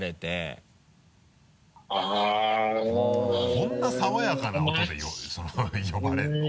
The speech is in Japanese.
こんな爽やかな音で呼ばれるの？